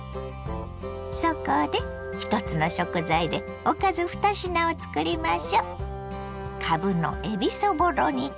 そこで１つの食材でおかず２品をつくりましょ。